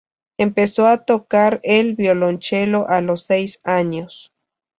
Empezó a tocar el violonchelo a los seis años.